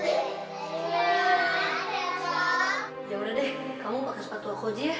iya yaudah deh kamu pake sepatu aku aja ya